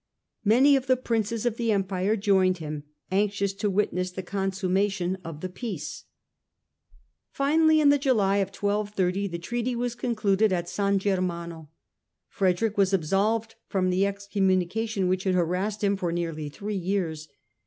Many of the Princes of the Empire joined him, anxious to witness the consummation of the peace. io 4 STUPOR MUNDI Finally, in the July of 1230, the treaty was concluded at San Germane. Frederick was absolved from the excommunication which had harassed him for nearly three years.